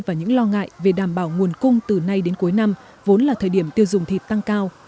và những lo ngại về đảm bảo nguồn cung từ nay đến cuối năm vốn là thời điểm tiêu dùng thịt tăng cao